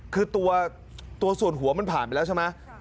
คือตัวส่วนหัวมันผ่านไปแล้วใช่ไหม